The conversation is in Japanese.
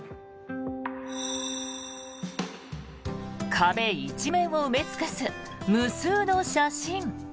壁一面を埋め尽くす無数の写真。